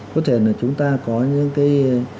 có thể là chúng ta có những cái